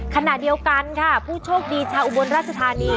ขณะเดียวกันค่ะผู้โชคดีชาวอุบลราชธานี